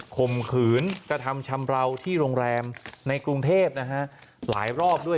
ข่มขืนกระทำชำราวที่โรงแรมในกรุงเทพนะฮะหลายรอบด้วย